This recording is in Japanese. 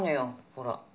ほら。